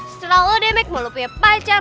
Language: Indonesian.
setelah lo demek mau lo punya pacar